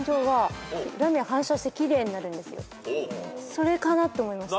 それかなって思いました。